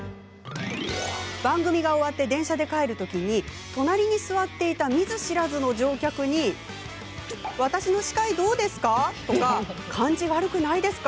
番組が終わって電車で帰るとき隣に座っていた見ず知らずの乗客に私の司会どうですか？とか感じ悪くないですか？